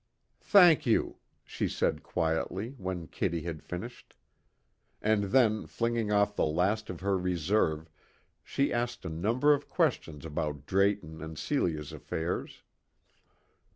"Thank you," she said quietly when Kitty had finished; and then, flinging off the last of her reserve, she asked a number of questions about Drayton and Celia's affairs.